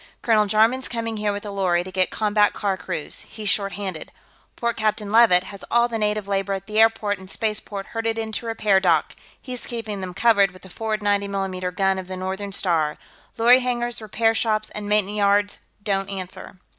Colonel Jarman's coming here with a lorry to get combat car crews; he's short handed. Port Captain Leavitt has all the native labor at the airport and spaceport herded into a repair dock; he's keeping them covered with the forward 90 mm gun of the Northern Star. Lorry hangars, repair shops and maintenance yards don't answer."